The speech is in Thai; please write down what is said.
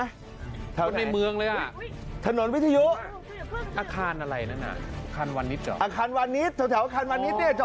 เฮ้ยอยู่มากอย่าเพิ่ง